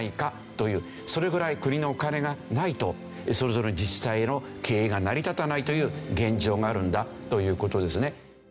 それぐらい国のお金がないとそれぞれの自治体の経営が成り立たないという現状があるんだという事ですね。